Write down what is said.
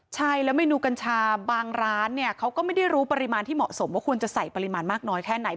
ใช่แล้วเมนูกัญชาบางร้านเนี่ยเขาก็ไม่ได้รู้ปริมาณที่เหมาะสมว่าควรจะใส่ปริมาณมากน้อยแค่ไหน